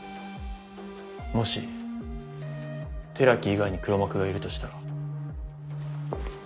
もし寺木以外に黒幕がいるとしたら。